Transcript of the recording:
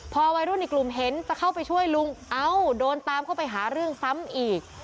พอวัยรุ่นอีกกลุ่มเห็นจะเข้าไปช่วยลุงเอ้าโดนตามเข้าไปหาเรื่องซ้ำอีก